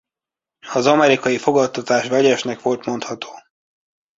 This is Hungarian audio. Az amerikai fogadtatás vegyesnek volt mondható.